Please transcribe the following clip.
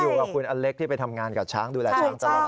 อยู่กับคุณอเล็กที่ไปทำงานกับช้างดูแลช้างตลอด